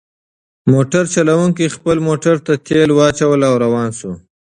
موټر چلونکي خپل موټر ته تیل واچول او روان شو.